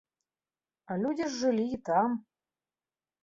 А людзі ж жылі і там!